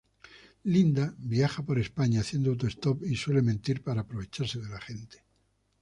Linda viaja por España haciendo autostop y suele mentir para aprovecharse de la gente.